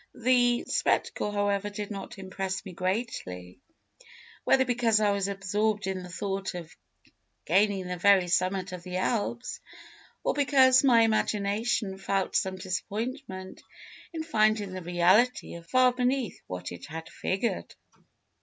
The spectacle, however, did not impress me greatly, whether because I was absorbed in the thought of gaining the very summit of the Alps, or because my imagination felt some disappointment in finding the reality far beneath what it had figured.